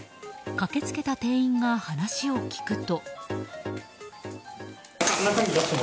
駆け付けた店員が話を聞くと。